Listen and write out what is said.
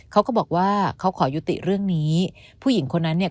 เขาก็บอกว่าเขาขอยุติเรื่องนี้ผู้หญิงคนนั้นเนี่ย